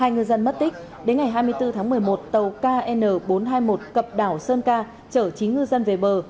hai ngư dân mất tích đến ngày hai mươi bốn tháng một mươi một tàu kn bốn trăm hai mươi một cập đảo sơn ca chở chín ngư dân về bờ